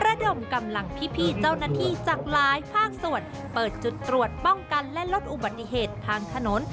ระดมกำลังพี่เจ้าหน้าที่จากหลายภาคส่วนเปิดจุดตรวจป้องกันและลดอุบัติเหตุทางถนน